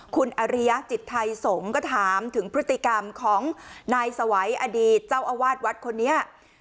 คุณอริยจิตไทยสงฆ์ก็ถามถึงพฤติกรรมของนายสวัยอดีตเจ้าอาวาสวัดคนนี้